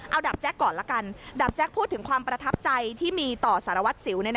เอาดาบแจ๊คก่อนละกันดาบแจ๊คพูดถึงความประทับใจที่มีต่อสารวัตรสิว